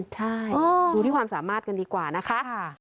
ใช่ดูที่ความสามารถกันดีกว่านะคะ